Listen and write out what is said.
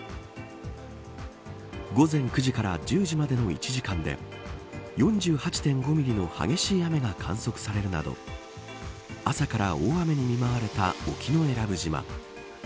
午前９時から１０時までの１時間で４８．５ミリの激しい雨が観測されるなど朝から大雨に見舞われた沖永良部島。